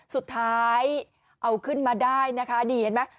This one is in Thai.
สุดท้ายเอาขึ้นมาได้นะคะนี่เห็นไหม